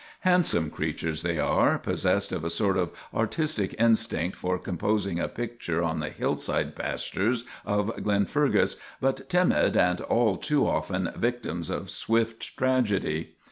Handsome creatures they are, possessed of a sort of artistic instinct for composing a picture on the hillside pastures of Glen fergus, but timid and all too often victims of swift tragedy.